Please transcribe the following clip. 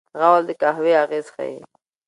غول د قهوې اغېز ښيي.